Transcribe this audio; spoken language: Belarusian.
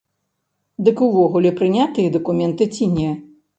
Дык увогуле прынятыя дакументы ці не?